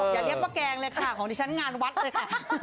อย่าเรียกว่าแกงเลยค่ะของดิฉันงานวัดเลยค่ะ